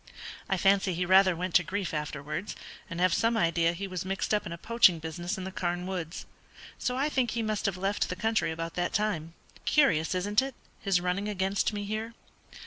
I fancy he rather went to grief afterwards, and have some idea he was mixed up in a poaching business in the Carne woods. So I think he must have left the country about that time. Curious, isn't it, his running against me here?